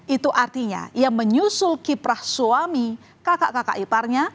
itu artinya ia menyusul kiprah suami kakak kakak iparnya